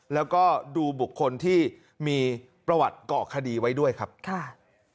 แล้วก็ดูบุคคลที่มีประวัติเกาะคดีไว้ด้วยครับค่ะ